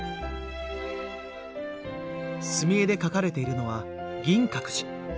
墨絵で描かれているのは銀閣寺。